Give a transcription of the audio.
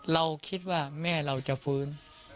เราคิดว่าแม่เราจะฟื้น